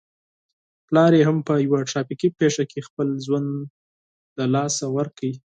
پلار يې هم په يوه ترافيکي پېښه کې خپل ژوند له لاسه ور کړ.